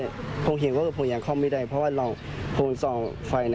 น้องที่อยู่ข้างในไม่ได้อยู่บนเตียงอยู่ข้างล่าง